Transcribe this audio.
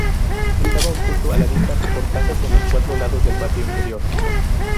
Estaba oculto a la vista por casas en los cuatro lados del patio interior.